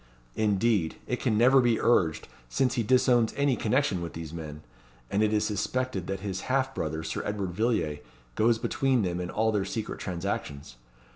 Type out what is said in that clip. Indeed, it can never be urged, since he disowns any connection with these men; and it is suspected that his half brother, Sir Edward Villiers, goes between them in all their secret transactions.